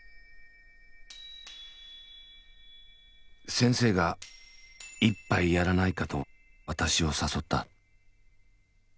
先生が一杯やらないかと私を誘った。